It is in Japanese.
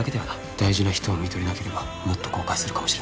大事な人をみとれなければもっと後悔するかもしれない。